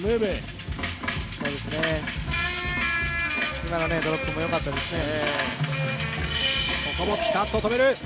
今のドロップもよかったですね。